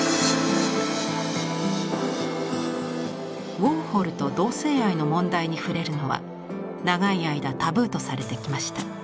ウォーホルと同性愛の問題に触れるのは長い間タブーとされてきました。